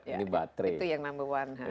ini baterai itu yang number one